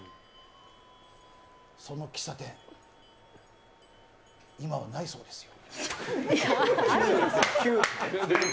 その喫茶店今はないそうですよ。